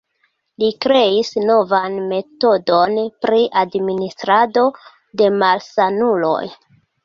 Li kreis novan metodon pri administrado de malsanuloj.